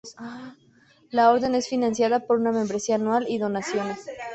La Orden es financiada por una membresía anual y donaciones.